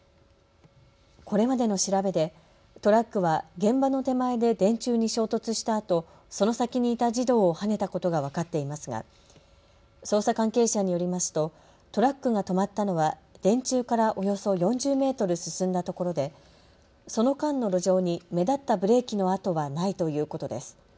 これまでの調べでトラックは現場の手前で電柱に衝突したあと、その先にいた児童をはねたことが分かっていますが捜査関係者によりますとトラックが止まったのは電柱からおよそ４０メートル進んだところでその間の路上に目立ったブレーキの跡はないということです。